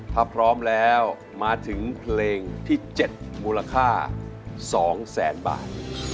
ถ้าพร้อมแล้วมาถึงเพลงที่๗มูลค่า๒แสนบาท